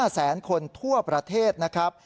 แสนคนทั่วประเทศนะครับ